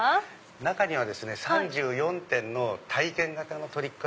中にはですね３４点の体験型のトリック